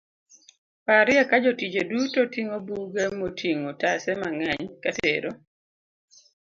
parye ka jotije duto ting'o buge moting'o otase mang'eny katero